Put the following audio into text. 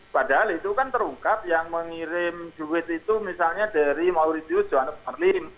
padahal itu kan terungkap yang mengirim duit itu misalnya dari mauritius johannes marlim